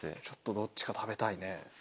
どっちか食べたいね。